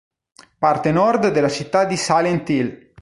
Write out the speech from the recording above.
Parte nord della città di Silent Hill.